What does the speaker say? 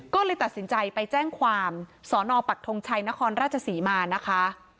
ก็เลยตัดสินใจไปแจ้งความสอนอปักทงชัยนครราชศรีมานะคะ